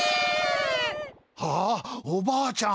あおばあちゃん。